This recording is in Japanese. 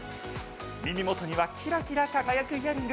耳元にはキラキラ輝くイヤリング。